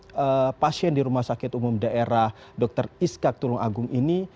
adalah dari pasien di rumah sakit umum daerah dr iskat tulung agung ini